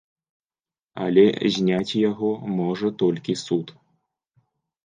Але зняць яго можа толькі суд.